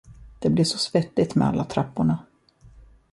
Det blir så svettigt med alla trapporna!